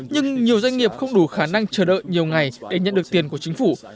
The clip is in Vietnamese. nhưng nhiều doanh nghiệp không đủ khả năng chờ đợi nhiều ngày để nhận được tiền của chính phủ